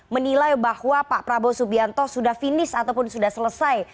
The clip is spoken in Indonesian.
menilai bahwa pak prabowo subianto sudah finish ataupun sudah selesai